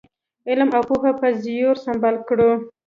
علم او پوهې په زېور سمبال کړو.